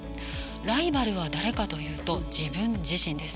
ライバルは誰かというと自分自身です。